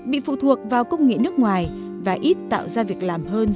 bị phụ thuộc vào công nghệ nước ngoài và ít tạo ra việc làm hơn